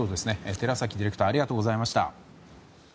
寺崎ディレクターありがとうございました。